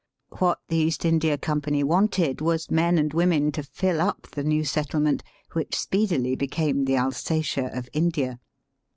What the East India Company wanted was men and women to fill up the new settlement, which speedily became the Alsatia of India.